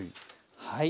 はい。